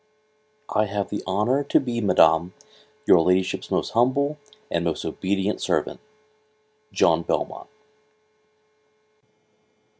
I have the honour to be Madam, Your Ladyship's most humble, and most obedient servant, JOHN BELMONT.